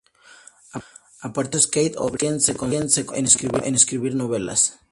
A partir de entonces, Kate O'Brien se concentró en escribir novelas.